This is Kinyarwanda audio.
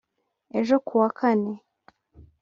ejo ku wa Kane